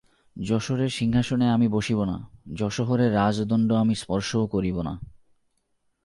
যশোহরের সিংহাসনে আমি বসিব না, যশোহরের রাজদণ্ড আমি স্পর্শও করিব না।